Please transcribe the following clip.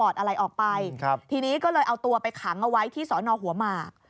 ทีนี้ก็เลยเอาตัวไปขังเอาไว้ที่สอนอหัวหมาก